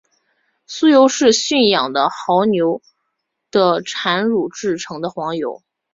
酥油是以驯养的牦牛的产乳制成的黄油。